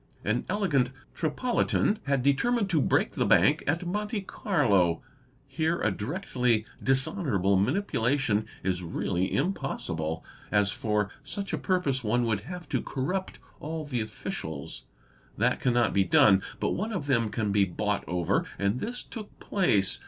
An elegant Tripolitan had determined to break the Bank at Monte Carlo. Here a directly dishonourable manipulation is really impossible, as for — such a purpose one would have to corrupt all the officials. That cannot be done, but one of them can be bought over, and this took place.